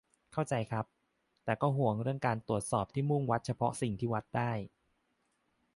เข้าใจครับ. แต่ก็ห่วงเรื่องการตรวจสอบที่มุ่งวัดเฉพาะสิ่งที่วัดได้.